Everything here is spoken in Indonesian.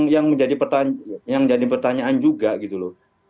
yang jadi pertanyaan juga gitu loh